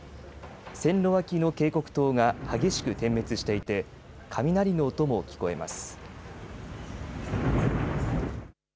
線路脇の警告灯が激しく点滅していて雷の音も聞こえます。